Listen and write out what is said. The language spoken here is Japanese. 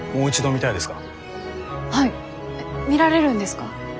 見られるんですか？